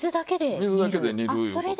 水だけで煮るいう事。